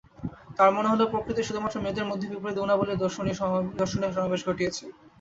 তাঁর মনে হল প্রকৃতি শুধুমাত্র মেয়েদের মধ্যেই বিপরীত গুণাবলির দর্শনীয় সমাবেশ ঘটিয়েছে।